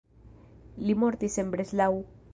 Li mortis en Breslau.